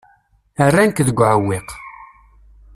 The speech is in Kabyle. Rran-k deg uɛewwiq.